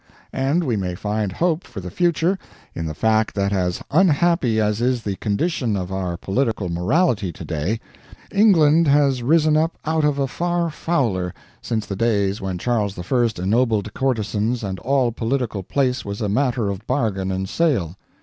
And we may find hope for the future in the fact that as unhappy as is the condition of our political morality to day, England has risen up out of a far fouler since the days when Charles I. ennobled courtesans and all political place was a matter of bargain and sale.